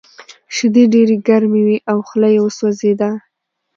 شیدې ډېرې ګرمې وې او خوله یې وسوځېده